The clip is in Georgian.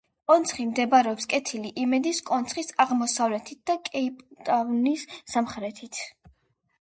კონცხი მდებარეობს კეთილი იმედის კონცხის აღმოსავლეთით და კეიპტაუნის სამხრეთით.